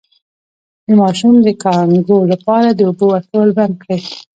د ماشوم د کانګو لپاره د اوبو ورکول بند کړئ